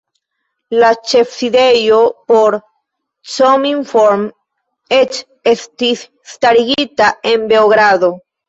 La ĉefsidejo por Cominform eĉ estis starigita en Beogrado.